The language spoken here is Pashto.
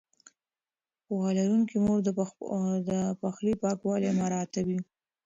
پوهه لرونکې مور د پخلي پاکوالی مراعتوي.